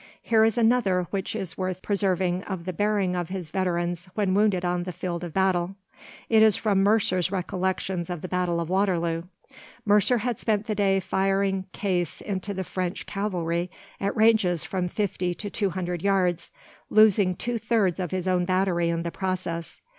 Here is another which is worth preserving of the bearing of his veterans when wounded on the field of battle. It is from Mercer's recollections of the Battle of Waterloo. Mercer had spent the day firing case into the French cavalry at ranges from fifty to two hundred yards, losing two thirds of his own battery in the process.